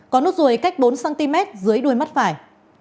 có nốt ruồi cách bốn cm dưới đuôi mắt phải